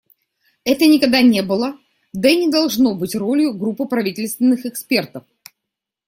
Это никогда не было, да и не должно быть ролью группы правительственных экспертов.